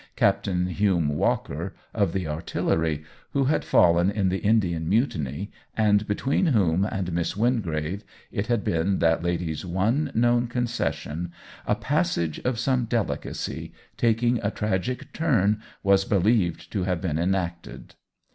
Captain Hume Walker, of the Artillery, who had fallen in the Ind ian Mutiny, and between whom and Miss Wingrave (it had been that lady's one known concession) a passage of some deli cacy, taking a tragic turn, was believed to have been enacted.